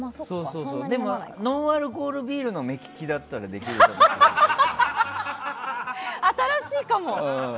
でも、ノンアルコールビールの目利きだったらできるかもしれない。